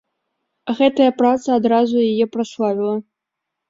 Гэтая праца адразу яе праславіла.